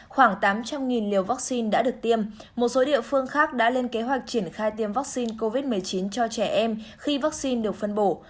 khoảng tám trăm linh liều vaccine đã được tiêm một số địa phương khác đã lên kế hoạch triển khai tiêm vaccine covid một mươi chín cho trẻ em khi vaccine được phân bổ